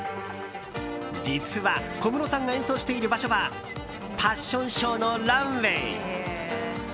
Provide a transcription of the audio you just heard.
実は小室さんが演奏している場所はファッションショーのランウェー。